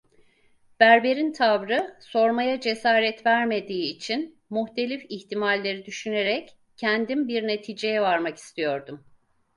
Berberin tavrı sormaya cesaret vermediği için muhtelif ihtimalleri düşünerek kendim bir neticeye varmak istiyordum.